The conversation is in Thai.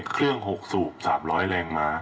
เครื่อง๖สูบ๓๐๐แรงมา